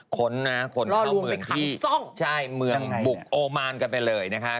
ค้นนะคนเข้าเมืองที่ใช่เมืองบุกโอมานกันไปเลยนะคะ